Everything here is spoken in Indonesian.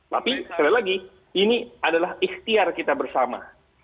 tapi sekali lagi ini adalah ikhtiar kita bersama